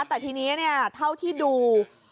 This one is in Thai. แต่ทีนี้เท่าที่ดู